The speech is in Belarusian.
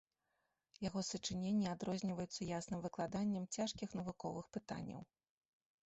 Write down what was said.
Яго сачыненні адрозніваюцца ясным выкладаннем цяжкіх навуковых пытанняў.